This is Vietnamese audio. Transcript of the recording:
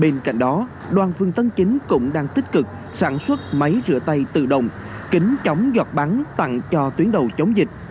bên cạnh đó đoàn phương tân chính cũng đang tích cực sản xuất máy rửa tay tự động kính chống giọt bắn tặng cho tuyến đầu chống dịch